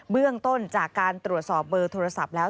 เบื้องต้นจากการตรวจสอบเบอร์โทรศัพท์แล้ว